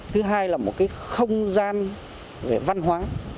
thứ hai là một cái không gian về văn hóa